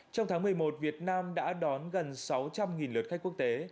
trong tháng một mươi một việt nam đã đón gần sáu trăm linh lượt khách quốc tế